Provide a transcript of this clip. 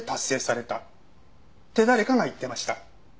って誰かが言ってました。